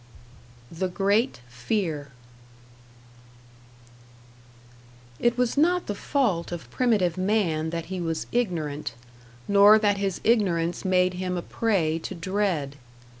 #The Great Fear# It was not the fault of primitive man that he was ignorant, nor that his ignorance made him a prey to dread.